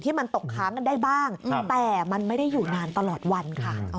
มันตกค้างกันได้บ้างแต่มันไม่ได้อยู่นานตลอดวันค่ะ